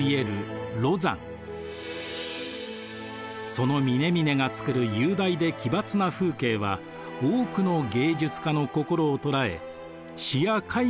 その峰々がつくる雄大で奇抜な風景は多くの芸術家の心を捉え詩や絵画の題材になりました。